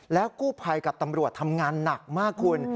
กู้ภัยกับตำรวจทำงานหนักมากคุณ